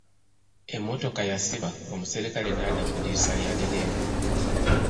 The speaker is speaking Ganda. Emmotoka yasiba omuserikale n'adda ku ddirisa lya ddereeva.